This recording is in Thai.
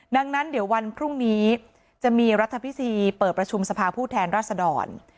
ดังนั้นเดี๋ยววันพรุ่งนี้จะมีรัฐพิธีเปิดประชุมสภาผู้แทนรัศดร